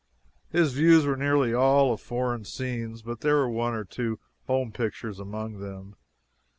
His views were nearly all of foreign scenes, but there were one or two home pictures among them.